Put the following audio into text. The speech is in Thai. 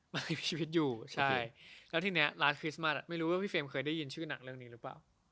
มันมีชีวิตอยู่ใช่แล้วทีนี้ร้านคริสต์มัสไม่รู้ว่าพี่เฟรมเคยได้ยินชื่อหนังเรื่องนี้หรือเปล่า